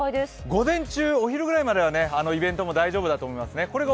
午前中、お昼ぐらいまではイベントも大丈夫だと思います。